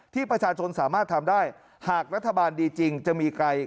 ที่ประชาชนสามารถทำได้หากรัฐบาลดีจริงจะมีไกล